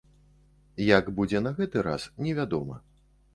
Як будзе на гэты раз, невядома.